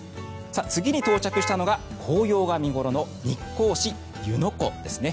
次に到着したのが紅葉が見頃の日光市・湯ノ湖ですね。